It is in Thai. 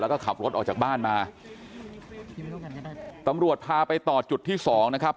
แล้วก็ขับรถออกจากบ้านมาตำรวจพาไปต่อจุดที่สองนะครับ